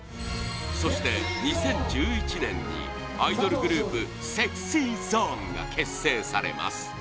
そして２０１１年にアイドルグループＳｅｘｙＺｏｎｅが結成されます